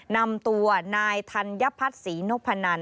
นำตัวนายธัญพัฒนศรีนพนัน